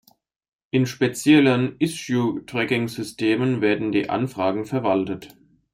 In speziellen Issue-Tracking-Systemen werden die Anfragen verwaltet.